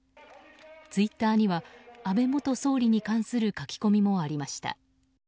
ツイッターには安倍元総理に関する書き込みもありました。